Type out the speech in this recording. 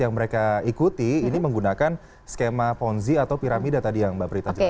yang mereka ikuti ini menggunakan skema ponzi atau piramida tadi yang mbak prita jelaskan